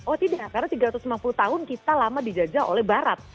oh tidak karena tiga ratus lima puluh tahun kita lama dijajah oleh barat